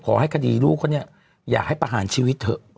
ขอให้คดีลูกเขาเนี่ยอยากให้ประหารชีวิตเถอะ